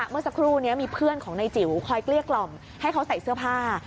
เมื่อสักครู่นี้มีเพื่อนของนายจิ๋วคอยเกลี้ยกล่อมให้เขาใส่เสื้อผ้า